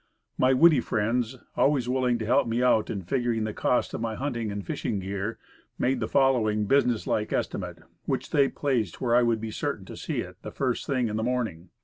My witty friends, always willing to help me out in 1 2 Woodcraft. figuring the cost of my hunting and fishing gear; made the following business like estimate, which they placed where I would be certain to see it the first thing in the morning.